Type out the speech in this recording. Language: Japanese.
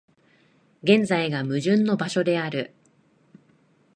現在が矛盾の場所である。